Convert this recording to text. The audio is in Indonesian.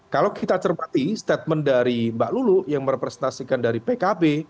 kalau kita cermati statement dari mbak lulu yang merepresentasikan dari pkb